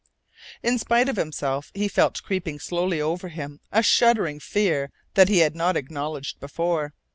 In spite of himself he felt creeping slowly over him a shuddering fear that he had not acknowledged before.